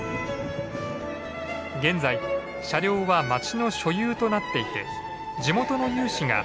現在車両は町の所有となっていて地元の有志が保守管理にあたっています。